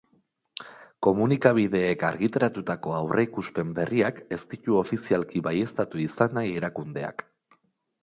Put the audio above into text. Komunikabideek argitaratutako aurreikuspen berriak ez ditu ofizialki baieztatu izan nahi erakundeak.